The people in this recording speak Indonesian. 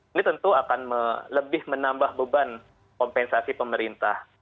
ini tentu akan lebih menambah beban kompensasi pemerintah